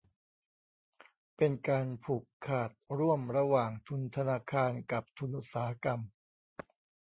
เป็นการผูกขาดร่วมระหว่างทุนธนาคารกับทุนอุตสาหกรรม